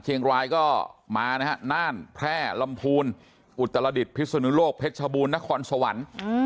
เชียงรายก็มานะฮะน่านแพร่ลำพูนอุตรดิษฐพิศนุโลกเพชรชบูรณครสวรรค์